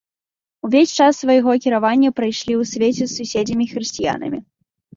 Увесь час свайго кіравання прайшлі ў свеце з суседзямі-хрысціянамі.